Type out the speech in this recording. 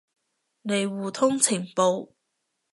嚟互通情報